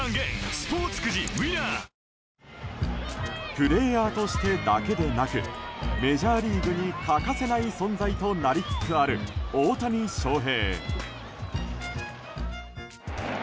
プレーヤーとしてだけでなくメジャーリーグに欠かせない存在となりつつある大谷翔平。